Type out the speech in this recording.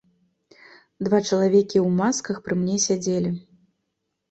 Два чалавекі ў масках пры мне сядзелі.